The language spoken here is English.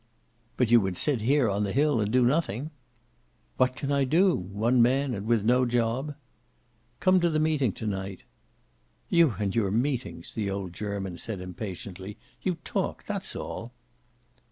"But you would sit here, on the hill, and do nothing." "What can I do? One man, and with no job." "Come to the meeting to night." "You and your meetings!" the old German said impatiently. "You talk. That's all."